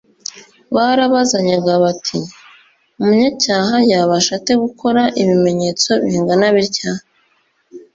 barabazanyaga bati : «umunyacyaha yabasha ate gukora ibimenyetso bingana bitya ?»